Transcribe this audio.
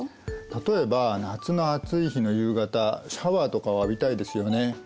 例えば夏の暑い日の夕方シャワーとかを浴びたいですよね。